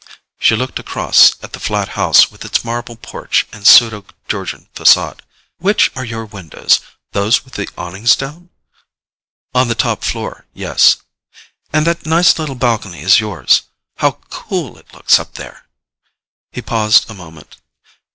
She looked across at the flat house with its marble porch and pseudo Georgian facade. "Which are your windows? Those with the awnings down?" "On the top floor—yes." "And that nice little balcony is yours? How cool it looks up there!" He paused a moment.